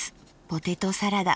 ポテトサラダ。